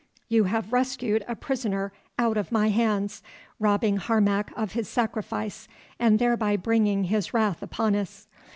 You have rescued a prisoner out of my hands, robbing Harmac of his sacrifice and thereby bringing his wrath upon us.